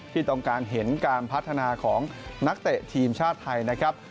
ที่ต้องการเห็นการพัฒนาของนักเตะทีมชาติไทยนะครับ